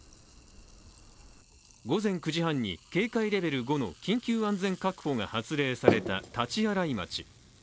午前９時半に警戒レベル５の緊急安全確保が発令された大刀洗町。